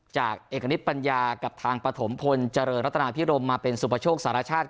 จากเอกณิตปัญญากับทางปฐมพลเจริญรัตนาพิรมมาเป็นสุปโชคสารชาติ